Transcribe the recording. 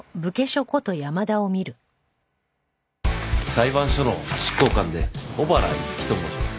裁判所の執行官で小原樹と申します。